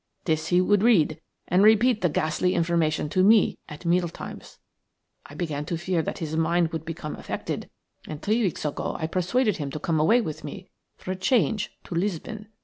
This he would read, and repeat the ghastly information to me at meal times. I began to fear that his mind would become affected, and three weeks ago I persuaded him to come away with me for a change to Lisbon.